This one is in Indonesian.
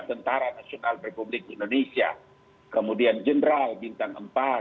tentara nasional republik indonesia kemudian general bintang empat